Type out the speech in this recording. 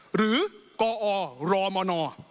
หรือกอรมน